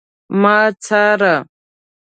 ما څاره